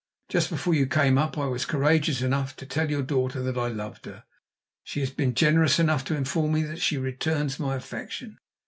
Just before you came up I was courageous enough to tell your daughter that I loved her. She has been generous enough to inform me that she returns my affection.